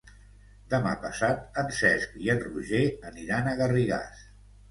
Demà passat en Cesc i en Roger aniran a Garrigàs.